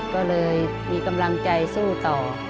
ก็เลยมีกำลังใจสู้ต่อ